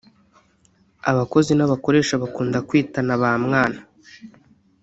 Abakozi n’abakoresha bakunda kwitana ba mwana